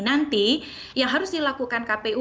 nanti yang harus dilakukan kpu